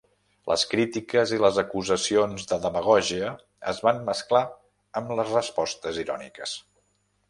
Les crítiques i les acusacions de demagògia es van mesclar amb les respostes iròniques.